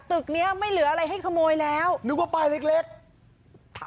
ตึกเนี้ยไม่เหลืออะไรให้ขโมยแล้วนึกว่าป้ายเล็กเล็ก